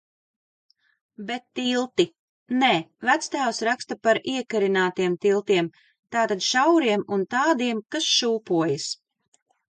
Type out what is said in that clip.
Bet tilti. Nē, vectēvs raksta par iekarinātiem tiltiem. Tātad šauriem un tādiem, kas šūpojas.